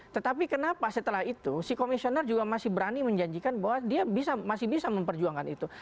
tetapi kenapa setelah itu si komisioner juga masih berani menjanjikan bahwa dia masih bisa memperjuangkan itu